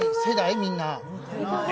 みんな。